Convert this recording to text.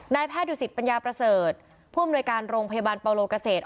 แพทย์ดุสิตปัญญาประเสริฐผู้อำนวยการโรงพยาบาลปาโลเกษตร